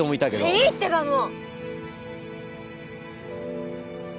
いいってばもう！